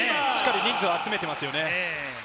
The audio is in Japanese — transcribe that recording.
しっかり人数を集めていますね。